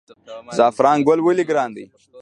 زعفران ګل ولې ګران دی؟